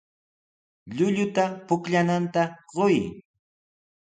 Llulluta pukllananta quy.